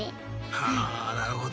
はあなるほど。